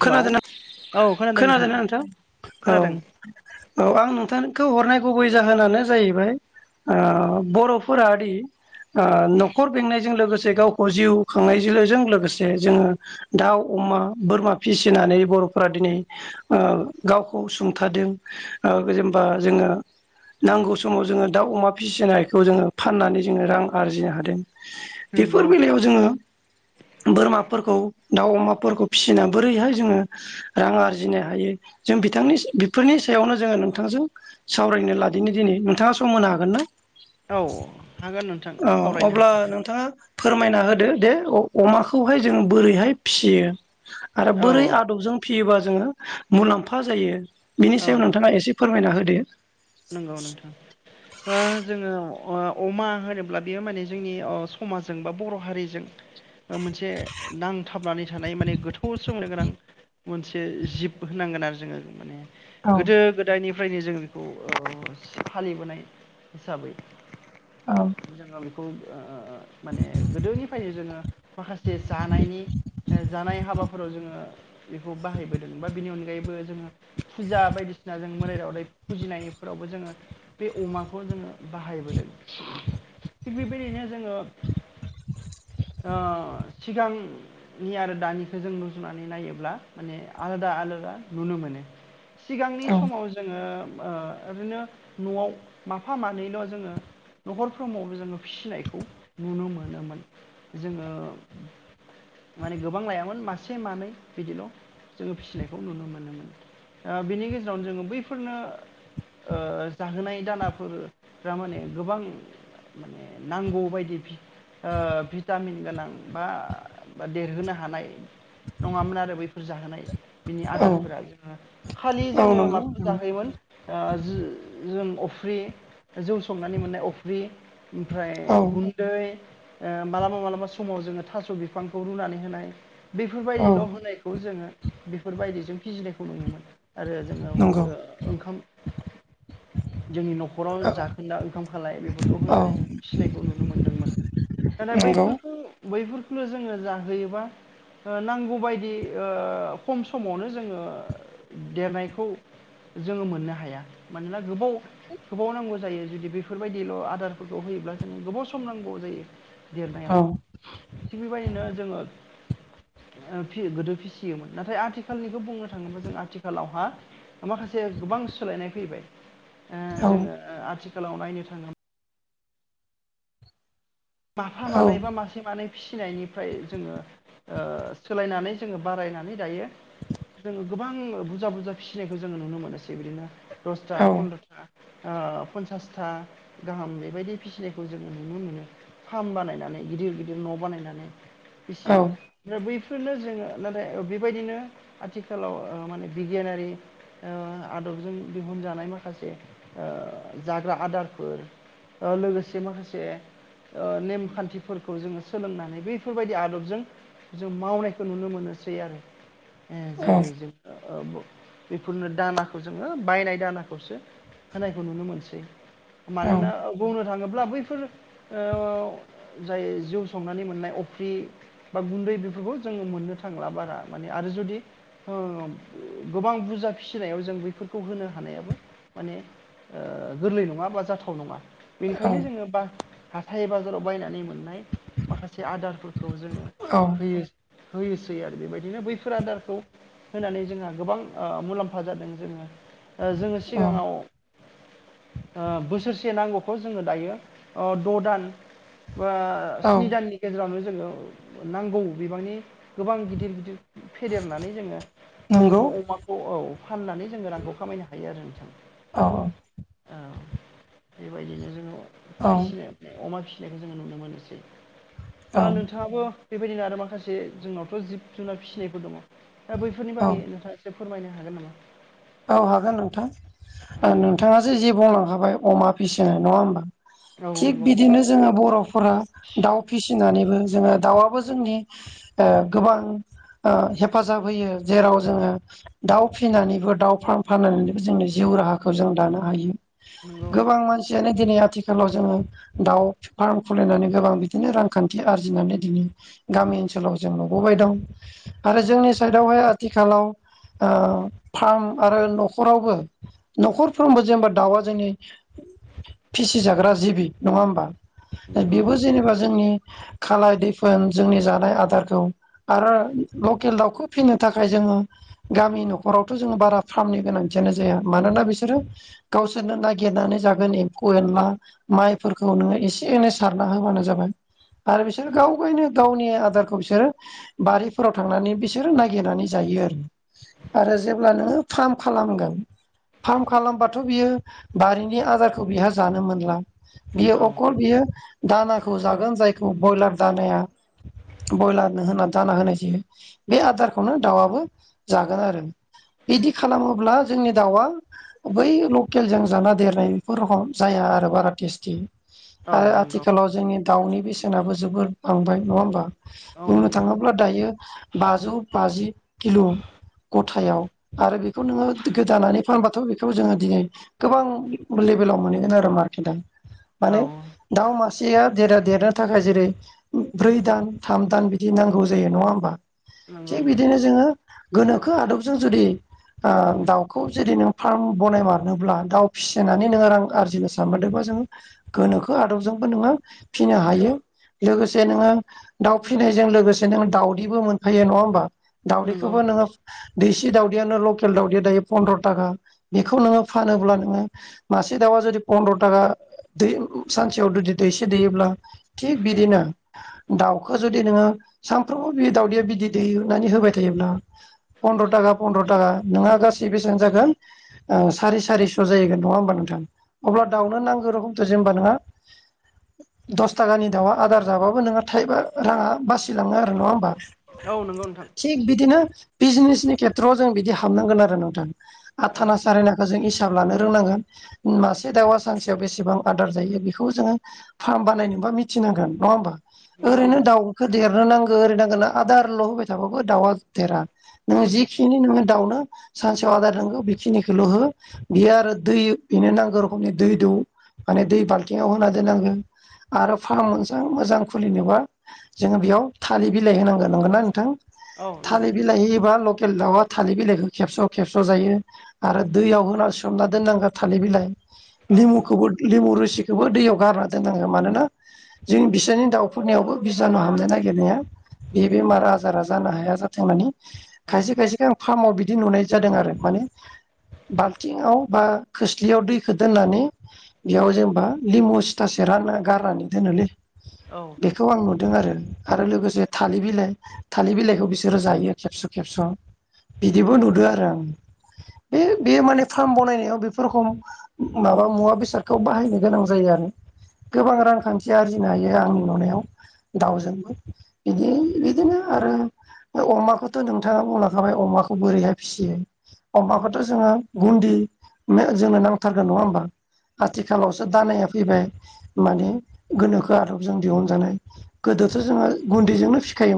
Hello खोनादोना औ खोनादों खोनादोना नोंथां औ खोनादों औ आं नोंथांखौ हरनाय गुबै जाहोनानो जाहैबाय बर'फोरा न'खर बेंनायजों लोगोसे गावखौ जिउ खांनायजों लोगोसे जोङो दाउ अमा बोरमा फिसिनानै बर'फोरा दिनै गावखौ सुंथादों जेनेबा जोङो नांगौ समाव जोङो दाउ अमा फिसिनायखौ जोङो फाननानै जोङो रां आरजिनो हादों बेफोर बेलायाव जोङो बोरमाफोरखौ दाउ अमाफोरखौ फिसिनानै बोरैहाय जोङो रां आरजिनो हायो जों बिथांनि बेफोरनि सायावनो जोङो नोंथांजों सावरायनो लादनो दिनै नोंथाङा सम होनो हागोन ना औ हागोन नोंथां औ सावरायनो अब्ला हागोन नोंथाङा फोरमायना होदो दे अमाखौहाय जोंङ बोरैहाय फियो आरो औ बोरै आदबजों फियोबा जोङो मुलाम्फा जायो बिनि औ सायाव औ नोंथाङा एसे फोरमायना होयो बि नंगौ नोंथां ओ जोङो अमा होनोब्ला बियो माने जोंनि समाजजों बा बर' हारिजों ओ मोनसे नांथाबनानै थानाय माने गोथौ सोम्ो गोनां मोनसे जिब होनांगोन आरो जोङो माने गोदो गोदायनिफ्रायनो जों बेखौ ओ फालिबोनाय हिसाबै औ मोजाङा बेखौ ओ ओ ओ माने गोदोनिफायनो जोङो माखासे जानायनि जानाय हाबाफोराव जोङो बेखौ बाहायबोदों बा बिनि अनगायैबो जोङो फुजा बायदिसिना जों मोदाय दावदाय फुजिनाय फोरावबो जोङो बे अमाखौ जोङो बाहायबोदों थिग बेबायदिनो जोङो [unintelligible] [inaudible] ओ सिगांनि आरो दानिखो जों नुजुनानै नायोब्ला माने आलादा आलो [unintelligible] नुनो मोनो सिगांनि समाव जोङोम ओ ओरैनो न'आव माफा मानैल' जोङो न'खरफ्रोमावबो जोङो फिसिनायखौ नुनो मोनोमोन जोङो माने गोबां लायामोन मासे मानै बिदिल' जोङो फिसिनायखौ नुनो मोनोमोन ओ बिनि गेजेरावनो जोङो बैफोरनो ओ जाहोनाय दानाफोरफ्रा माने गोबां माने नांगौ बायदि भि ओ भिटामिन गोनां बा देरहोनो हानाय नङामोन आरो बैफोर जाहोनाय बिनि औ आदारफोरा जोङो खालि औ जोङो नंगौ माखौ जाहोयोमोन आ जो जों अफ्रि जौ संनानै मोननाय अफ्रि ओमफ्राय औ गुन्दै ओ मालाबा मालाबा समाव जोङो थास' बिफांखौ रुनानै होनाय औ बेफोरबायदिल' होनायखौ जोङो बेफोरबायदिजों फिजिनायखौ नुयोमोन आरो जोङो ओ नंगौ ओंखाम [unintelligible] [inaudible] जोंनि न'खराव जाखोन्दा ओंखाम खालाय बेफोरखौ औ होनानै जों फिसनायखौ नुनो मोन्दोंमोन नाथाय नंगौ बैफोरखौ बैफोरखौनो जोङो जाहोयोबा ओ नांगौबायदि ओ खम समावनो जोङो देरनायखौ जोङो मोननो हाया मानोना गोबाव होबाव नांगौ जायो जुदि बेफोरबायदिल' आदारफोरखौ होयोब्ला जोंनो गोबाव सम नांगौ जायो देरनायाव औ थिग बेबायदिनो जोङो [unintelligible] [inaudible] ओ फि गोदो फिसियोमोन नाथाय आथिखालनिखो बुंनो थाङोब्ला जों आथिखालावहा माखासे गोबां सोलायनाय फैबाय ओ औ जोङो ओ आथिखालाव नायनो थाङोब माफा औ मानै बा मासे मानै फिसिनायनिफ्राय जोङो ओ सोलायनानै जोङो बारायनानै दायो जोङो गोबां बुरजा बुरजा फिसिनायखौ जोङो नुनो मोनोसै बिदिनो दसथा औ फन्द्र'था ओ पन्सासथा गाहाम बेबायदि फिसिनायखौ जोङो नुनो मोनो फार्म बानायनानै गिदिर गिदिर न' बानायनानै फिसियो औ ओमफ्राय बै फोरनो जोङो नाथाय बेबायदिनो आथिखालाव ओ माने बिगियानारि ओ आदबजों दिहुनजानाय माखासे ओ जाग्रा आदारफोर ओ लोगोसे माखासे ओ नेमखान्थिफोरखौ जोङो सोलोंनानै बैफोरबायदि आदबजों जों मावनायखौ नुनो मोनो सै आरो [inaudible] ए जेरै जोङो बो बेफोरनो दानाखौ जोङो बायनाय दानाखौसो होनायखौ नुनो मोनसै औ मानोना बुंनो थाङोब्ला बैफोर ओ जाय जौ संनानै मोननाय अफ्रि बा गुन्दै बेफोरखौ जोङो मोननो थांला बारा माने आरो जुदि ओब गोबां बुरजा फिसिनायाव जों बेफोरखौ होनो हानायाबो माने ओ गोरलै नङा बा जाथाव नङा औ बेनिखायनो जोङो बा हाथाइ बाजाराव बायनानै मोननाय माखासे आदारफोर खौ जोङो औ होयो होयोसै आरो बेबायदिनो बैफोर आदारखौ होननानै जोंहा गोबां ओ मुलाम्फा जादों जोङो ओ जोङो औ सिगाङाव बोसोरसे नांगौखौ जोङो दायो द' दान बा औ स्नि दाननि गेजेरावनो जोङो नांगौ बिबांनि गोबां गिदिर गिदिर फेदेरनानै जोङो नंगौ अमाखौ औ फाननानै जोंङो रांखौ खामायनो हायो आरो नोंथां औ औ बेबायदिनो जोङो औ फिसिनो अमा फिसिनायखौ जोङो नुनो मोनोसै औ दा नोंथाङाबो बेबायदिनो आरो माखासे जोंनावथ' जिब जुनार फिसिनायफोर दङ दा बैफोरनि औ बागै नोंथाङा एसे फोरमायनो हागोन नामा? औ हागोन नोंथां नोंथाङासो जि बुंलांखाबाय अमा फिसिनो नङा होमबा औ थिग नंगौ बिदिनो जोङो बर'फोरा दाउ फिसिनानैबो जोङो दाउआबो जोंनि ओ गोबां ओ हेफाजाब होयो जेराव जोङो दाउ फिनानैबो दाउ फाननानै जों जिउ राहाखौ जों दानो हायो नंगौ गोबां मानसियानो दिनै आथिखालाव जोङो दाउ फार्म खुलिनानै गोबां बिदिनो रांखान्थि आरजिनानै दिनै गामि ओनसोलाव जों नुबोबाय दं आरो जोंनि साइडआवहाय आथिखालाव ओ थाम आरो न'खरावबो न'खरफ्रोमबो जेनेबा दाउआ जोंनि फिसिजाग्रा जिबि नङा होमबा नंगौ बेबो जेनेबा जोंनि खालाय दैफोन जोंनि जानाय आदारखौ आरोर लकेल दाउखौ फिसिनो थाखाय जोङो गामि न'खरावथ' जोङो बारा फार्मनि गोनांथियानो जाया मानोना बिसोरो गावसोरनो नागिरनानै जागोन एम्फौ एनला माइफोरखौ नोङो एसे एनै सारना होबानो जाबाय आरो बिसोर गावगायनो गावनि आदारखौ बिसोरो बारिफोराव थांनानै बिसोरो नागिरनानै जा यो आरो जेब्ला नोङो फार्म खालामगोन फार्म खालामबाथ' बियो बारिनि आदारखौ बिहा जानो मोनला बियो औ अखल बियो दानाखौ जागोन जायखौ ब्रयलार दानाया ब्रयलारनो होनानै दाना होनाय जायो बे आदारखौनो दाउआआबो जागोन आरो बिदि खालामोब्ला जोंनि दाउआ बै लकेलजों जाना देरनाय बेफोर रखम जाया आरो बारा टेस्टि औ आरो नंगौ आथिखालाव जोंनि दाउनि बेसेनाबो जोबोर बांबाय नङा होमबा औ बुंनो नंगौ थाङोब्ला दायो बाजौ बाजि किल' गथायाव आरो बेखौ नोङो गोदानानै फानबाथ' बेखौ जोङो दिनै गोबां लेभेलाव मोनहैगोन आरो मार्केटआ औ माने दाव मा सेया देरा देरनो थाखाय जेरै ब्रै दान थाम दान बिदि नांगौ जायो नङा होमबा नंगौ थिग बिदिनो जोङो गोनोखो आदबजों जुदि ओ दाउखौ जुदि नों फार्म बनायमारनोब्ला दाउ फिसिनानै नोङो रां आरजिनो सानमारदों बा जों‌ गोनोखो आदबजोंबो नोङो फिसिनो हायो लोगोसे नोङो दाउ फिनायजों लोगोसे नोङो दाउदैबो मोनफायो नङा होमबा नंगौ दाावदैखौबो नोङो दैसि दाउ दैआनो लकेल दावदैयानो दायो पन्द्रटागा बेखौ नोंङो फोनोब्ला नोङो मासे दावा जुदि पनद्र टागा दै सानसेयाव जुदि दैसे दैयोब्ला थिग बिदिनो दाउखो जुदि नोङो सानफ्रामबो बि दावदैया बिदै दैनानै होबाय थायोब्ला फन्द्र' थागा ओ‌ नोंहा गासै बेसेबां जागोन ओ सारि सारिस' जाहैगोन नङा ओमबा नोंथां? अब्ला दाउनो नांगौ रोखोमथ' जेनबा नोङा दसटागानि दाउआ आदार जाबाबो नोंहा थाइबा राङा बास बासि लाङो नङा होनबा‌ औ नंगौ नोंथां थिबिदिनो बे जिनिसनि खेट थ' जों बिदि हाबनांगोन आरो नोंथां आथाना औ सारेनाखौ जों हिसाब लानो रोंनांगोन मासे दाउआ सानसेयाव बेसेबां आदार जायो बेखौ जोङो फार्म बानायनो। बा मिथिनांगोन नङा ओमबा? नंगौ ओरैनो नंगौ दाउखो देरनो नांगो ओरै नांगो होनना आदारल' होबाय थाबाबो दाउआ देरा नोङो नंगौ जिक नोङो दाउनो सानसेयाव आदार नांगौ बेखिनिखौल' हो बियो आरो दै बेनो नांगौ रोखोमनि दै दौ माने दै बाल्थिंआव होना दोननांगो। आरो फार्म मोनजां मोजां खुलिनोबा जोङो बेयाव थालिर बिलाइ होनांगोन नंगोना नोंथां? औ नंगौ थालिर बिलाइ होयोबा लक दाउआ थालिर बिलाइखौ खेबस' खेबस' जायो आरो दैयाव होना सोमना दोननांगौ थालिर बिलाइ औ लिमुखौबो लिमु रोसिखौबो दैयाव गारना दोननांगो मानोना जों बिसानि दाउफोरनियावबो बिजानु हाबनो नायगिरनाया बे बेमार आजारा जानो हाया जाथों होननानै खायसे औ खायसेखौ आं फार्माव बिद नुनाय जादों आरो माने बाल्थिंआव बा खोस्लियाव दैखौ दोननानै बेयाव जेनेबा लिबु सिथा सेरना गारनानै दोनोलै। औ बेखौ आं नुदों आरो आरो लोगोसे थालिर बिलाइ थालिर बिलाइखौ बिसोरो जायो खेबस' खेबस' बिदिबो नुदो आरो आं बे बेयो माने फार्म बनायनायाव बेफोरखौ माबा मुवा बेसादखौ बाहायनो गोनां जायो आरो गोबां रांखान्थि आरजिनो हायो आंनि नुनायाव दाउजोंबो बिदि बिदिनो आरो बे अमाखौथ' नोंथाङा बुंलांखाबाय अमाखौ बोरैहाय फिसियो। अमाखौथ' जोङो गुन्दि जोंनो नांथारगोन नङा ओमबा? आथिखालावसो दानाया फैबाय माने गोनोखो आदबजों दिहुनजानाय गोद गोदोथ' जोङो गुन्दैजोंनो फिसिखायोमोन।